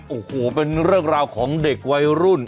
โอ้โหเป็นเรื่องราวของเด็กวัยรุ่น